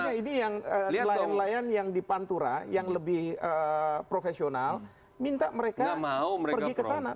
makanya ini yang nelayan nelayan yang di pantura yang lebih profesional minta mereka pergi ke sana